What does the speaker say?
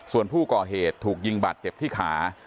ส่วนผู้ก่อเหตุถูกยิงบาดเจ็บที่ขา